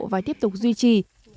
và tiếp tục duy trì